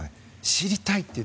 知りたいという。